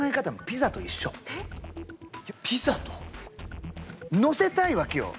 ピザと⁉のせたいわけよ！